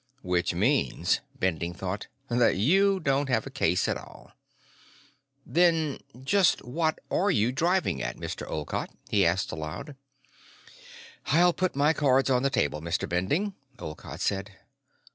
Which means, Bending thought, that you don't have a case at all. "Then just what are you driving at, Mr. Olcott?" he asked aloud. "I'll put my cards on the table, Mr. Bending," Olcott said.